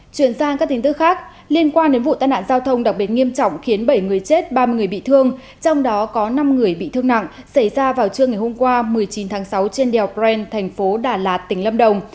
chuyển sang các tin tức khác liên quan đến vụ tai nạn giao thông đặc biệt nghiêm trọng khiến bảy người chết ba mươi người bị thương trong đó có năm người bị thương nặng xảy ra vào trưa ngày hôm qua một mươi chín tháng sáu trên đèo bren thành phố đà lạt tỉnh lâm đồng